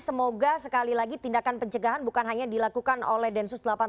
semoga sekali lagi tindakan pencegahan bukan hanya dilakukan oleh densus delapan puluh delapan